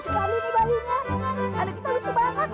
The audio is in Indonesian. seperti gak kenal capek pak